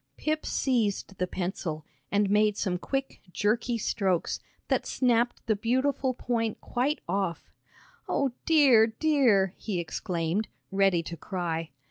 Pip seized the pencil, and made some quick, jerky strokes that snapped the beautiful point quite off. "O dear, dear!" he exclaimed, ready to cry.